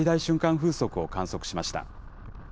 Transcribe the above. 風速を観測しました。